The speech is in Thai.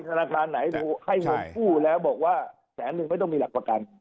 ธนาคารไหนให้เงินกู้แล้วบอกว่าแสนนึงไม่ต้องมีหลักประกัน